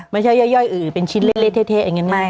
ไม่ใช่ย่อยเป็นชิ้นเล็ดเท่อย่างเงี้ย